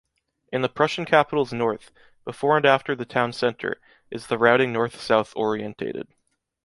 In the Prussian capital’s north, before and after the town center, is the routing north-south orientated.